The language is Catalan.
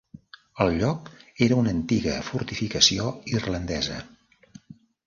El lloc era una antiga fortificació irlandesa.